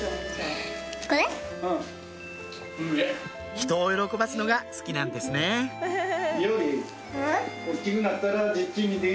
人を喜ばすのが好きなんですね伊織。